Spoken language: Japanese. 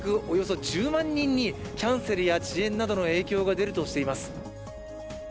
およそ１０万人にキャンセルや遅延などの影響が出るとしています。